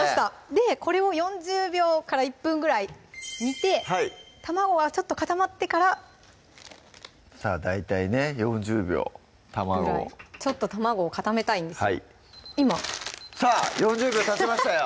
これを４０秒から１分ぐらい煮て卵がちょっと固まってからさぁ大体ね４０秒卵ちょっと卵を固めたいんですさぁ４０秒たちましたよ